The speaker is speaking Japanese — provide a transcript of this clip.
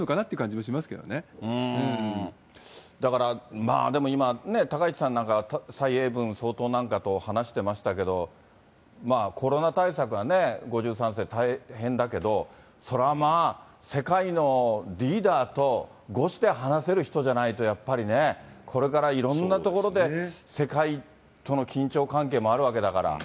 もしだからまあ、今でもね、高市さんなんか、蔡英文総統なんかと話してましたけど、コロナ対策がね、５３世、大変だけど、それはまあ、世界のリーダーとごして話せる人じゃないと、やっぱりね、これからいろんな所で世界との緊張関係もあるわけだから。